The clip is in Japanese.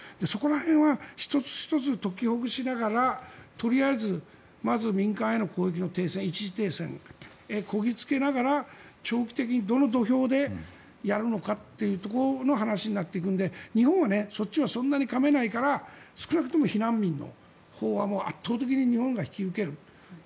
そこら辺は１つ１つ解きほぐしながらとりあえずまず民間への攻撃の停戦一時停戦、こぎつけながら長期的にどの土俵でやるのかっていうところの話になっていくので日本はそっちはそんなにかめないから少なくとも避難民のほうは圧倒的に日本は引き受ける。